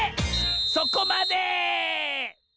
そこまで！